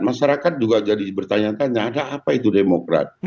masyarakat juga jadi bertanya tanya ada apa itu demokrat